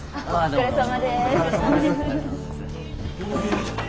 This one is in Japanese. お疲れさまです。